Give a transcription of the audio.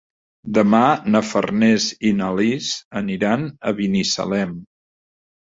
Demà na Farners i na Lis aniran a Binissalem.